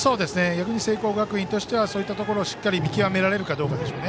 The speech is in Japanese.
逆に聖光学院としてはそういったところをしっかり見極められるかでしょう。